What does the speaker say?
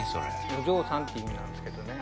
「お嬢さん」って意味なんですけどね